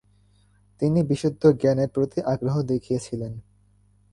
তিনি বিশুদ্ধ জ্ঞানের প্রতি আগ্রহ দেখিয়েছিলেন।